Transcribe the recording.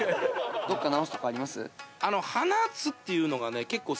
どっか直すとこあります？